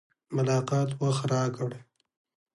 ملاقات وخت راکړ.